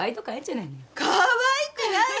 全然かわいくない。